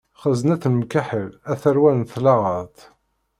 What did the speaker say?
Xeznet lemkaḥel a tarwa n tɣalaḍt.